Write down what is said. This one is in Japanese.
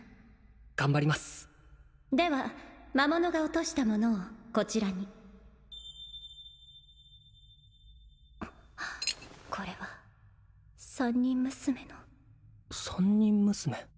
頑張りますでは魔物が落とした物をこちらにこれは三人娘の三人娘？